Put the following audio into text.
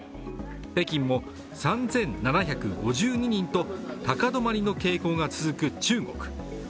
北京も３７５２人と高止まりの傾向が続く中国。